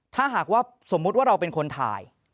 ถ้าหากว่าสมมุติว่าเราเป็นคนถ่าย